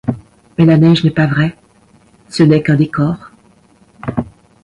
Mais la neige n’est pas vraie, ce n’est qu’un décor.